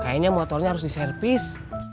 kayanya motornya harus diservis